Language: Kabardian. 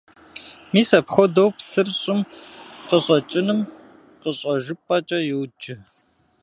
Мис апхуэдэу псыр щӀым къыщӀэкӀыным къыщӀэжыпӀэкӀэ йоджэ.